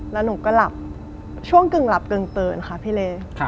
แล้วหนูก็หลับช่วงกึ่งหลับกึ่งตื่นค่ะพี่เล